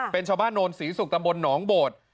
เป็นชาวบ้านโนนศรีศุกร์ตำบลหนองโบด